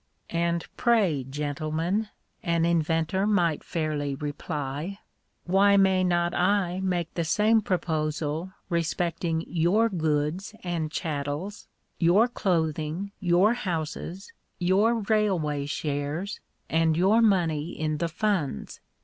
" And pray, gentlemen/' an inventor might fairly reply, " why may not I make the same proposal respecting your goods and chattels, your clothing, your houses, your railway shares, and your money in the funds